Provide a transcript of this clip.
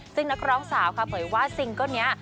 ซึ่งนักร้องสาวค่ะเผยว่าซิงเกิ้ลนี้